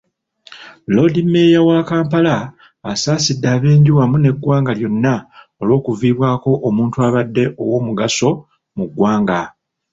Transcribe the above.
Loodimmeeya wa Kampala, asaasidde ab'enju wamu n'eggwanga lyonna olw'okuviibwako omuntu abadde ow'omugaso mu ggwanga.